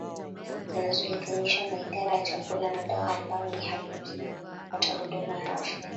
zinazoidhinishwa na Idara ya Chakula na Dawa ambayo ni haki msingi wa kupata huduma ya afya